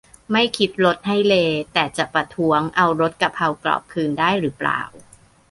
ไม่คิดรสให้เลย์แต่จะประท้วงเอารสกระเพรากรอบคืนได้รึเปล่า